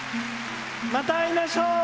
また会いましょう！